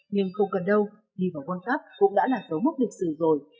nhưng không cần đâu đi vào world cup cũng đã là dấu mốc lịch sử rồi